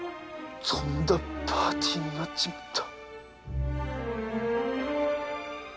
とんだパーティーになっちまった。